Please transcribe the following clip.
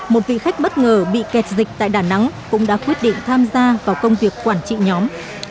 một vị khách bất ngờ bị kẹt dịch tại đà nẵng cũng đã quyết định tham gia vào công việc quản trị nhóm